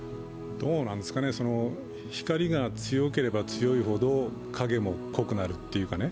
どうなんですかね、光が強ければ強いほど影も濃くなるというかね。